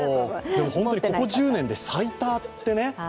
本当にここ１０年で最多ってね。